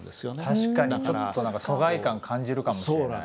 確かにちょっと疎外感感じるかもしれない。